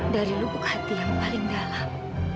dari lubuk hati yang paling dalam